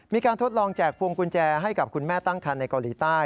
ทดลองแจกพวงกุญแจให้กับคุณแม่ตั้งคันในเกาหลีใต้